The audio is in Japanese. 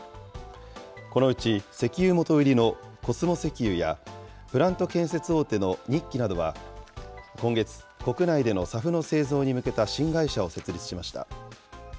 このうち石油元売りのコスモ石油や、プラント建設大手の日揮などは今月、国内でのＳＡＦの製造に向けた新会社を設立しました。